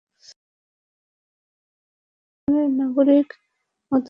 City corporation কোনো ধরনের নাগরিক মতামত ছাড়াই হলের ভাড়া চার গুণ বাড়িয়েছে।